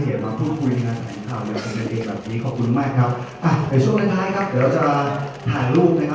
เชฟเพราะวันนี้จะเจกที่ในการวี้